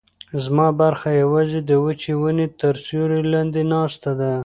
زما برخه یوازې د وچې ونې تر سیوري لاندې ناسته ده.